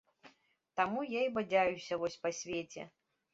Таму я і бадзяюся вось па свеце.